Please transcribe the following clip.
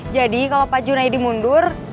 jadi kalau pak junedi mundur